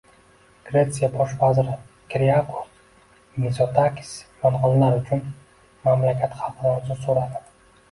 Gretsiya bosh vaziri Kiriakos Mizotakis yong‘inlar uchun mamlakat xalqidan uzr so‘radi